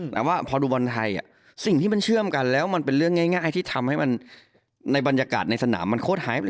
แต่ว่าพอดูบอลไทยสิ่งที่มันเชื่อมกันแล้วมันเป็นเรื่องง่ายที่ทำให้มันในบรรยากาศในสนามมันโคตรหายไป